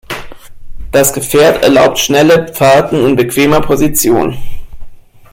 Das Gefährt erlaubt schnelle Fahrten in bequemer Position.